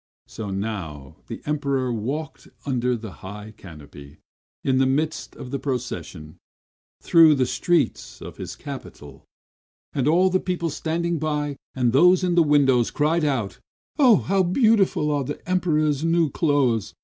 So now the Emperor walked under his high canopy in the midst of the procession, through the streets of his capital; and all the people standing by, and those at the windows, cried out, "Oh! How beautiful are our Emperor's new clothes!